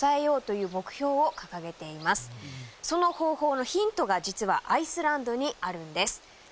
その方法のヒントが実はアイスランドにあるんです。